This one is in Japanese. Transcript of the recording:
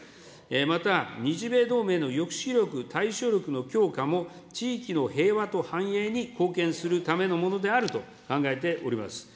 また、日米同盟の抑止力、対処力の強化も、地域の平和と反映に貢献するためのものであると考えております。